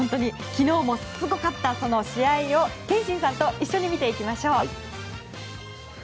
昨日もすごかったその試合を憲伸さんと一緒に見ていきましょう。